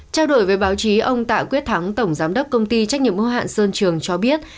trao đổi với báo chí ông tạ quyết thắng tổng giám đốc công ty trách nhiệm mô hạn sơn trường cho biết